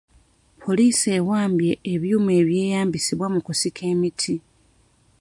Poliisi ewambye ebyuma ebyeyambisibwa mu kusika emiti.